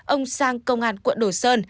ông sang công an quận đồ sơn